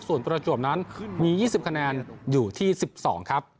ส่วนประจวบนั้นมี๒๐คะแนนอยู่ที่๑๒ครับ